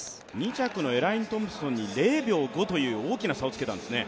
２着のエライン・トンプソンに０秒５という差をつけたんですね。